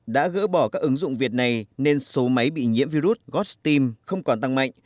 nếu bỏ các ứng dụng việt này nên số máy bị nhiễm virus godsteam không còn tăng mạnh